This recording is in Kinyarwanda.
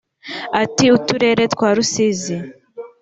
Ati "Uturere twa Rusizi